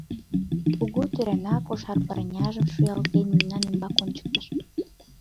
Кугу тӧрана, кошар парняжым шуялтен, мемнан ӱмбак ончыктыш.